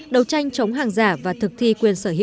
đấu tranh chống hàng giả và thực thi quyền sở hữu trí tuệ